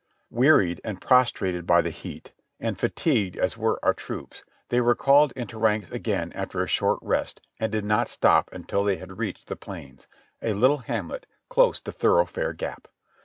Wearied and prostrated by the heat, and fatigued as v^'ere our troops, they were called into ranks again after a short rest, and did not stop until they had reached the Plains, a little hamlet close to Thoroughfare Gap.